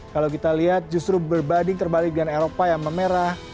kalau kita lihat justru berbanding terbalik dengan eropa yang memerah